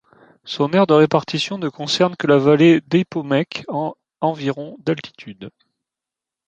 Son aire de répartition ne concerne que la vallée d'Eipomek, à environ d'altitude.